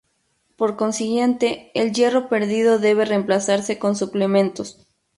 Por consiguiente, el hierro perdido debe reemplazarse con suplementos.